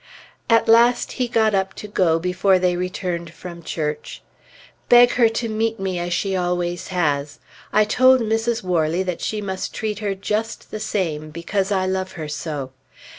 At last he got up to go before they returned from church. "Beg her to meet me as she always has. I told Mrs. Worley that she must treat her just the same, because I love her so.